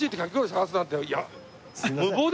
探すなんて。